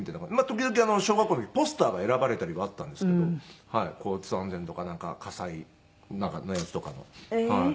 時々小学校の時ポスターが選ばれたりはあったんですけど交通安全とか火災のやつとかの。ええー。